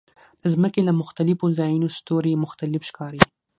د ځمکې له مختلفو ځایونو ستوري مختلف ښکاري.